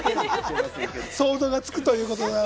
想像がつくということです。